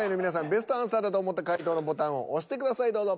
ベストアンサーだと思った回答のボタンを押してくださいどうぞ。